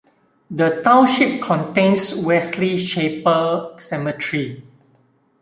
The township contains Wesley Chapel Cemetery.